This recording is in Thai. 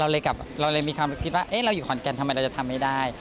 เราเลยมีความคิดว่าเราอยู่ขอนแก่นทำไมเราจะทำไม่ได้